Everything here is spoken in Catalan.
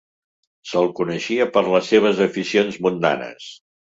Se'l coneixia per les seves aficions mundanes.